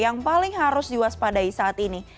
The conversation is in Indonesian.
yang paling harus diwaspadai saat ini